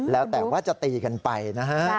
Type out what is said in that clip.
แล้วแต่ว่าจะตีกันไปนะฮะ